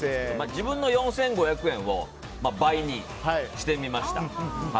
自分の４５００円を倍にしてみました。